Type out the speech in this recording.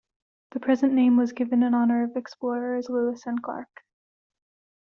The present name was given in honor of explorers Lewis and Clark.